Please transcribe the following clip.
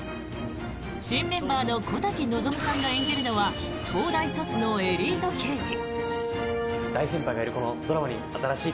新メンバーの小瀧望さんが演じるのは東大卒のエリート刑事。